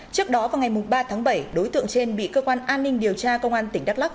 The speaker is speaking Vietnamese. trước đó vào ngày ba tháng bảy đối tượng trên bị cơ quan an ninh điều tra công an tỉnh đắk lắc